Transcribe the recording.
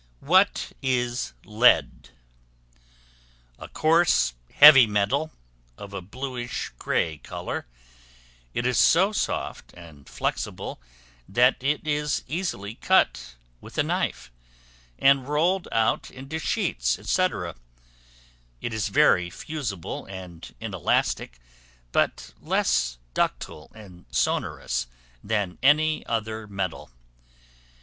What is Lead? A coarse, heavy metal, of a bluish grey color: it is so soft and flexible, that it is easily cut with a knife, and rolled out into sheets, &c. it is very fusible and inelastic, but less ductile and sonorous, than any other metal.